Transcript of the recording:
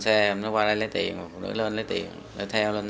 hãy đăng cối tài sản chuyển vào màn hình dụng cổ đãyva offan sửa để thấy chi phí